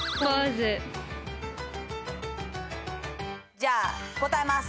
じゃあ答えます。